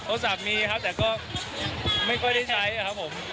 สักมีครับแต่ก็ไม่ค่อยได้ใช้ครับผม